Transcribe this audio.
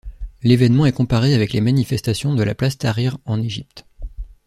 L’événement est comparé avec les manifestations de la Place Tahrir en Égypte.